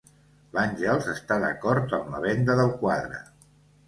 L'Àngels està d'acord amb la venda del quadre.